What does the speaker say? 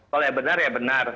kalau yang benar ya benar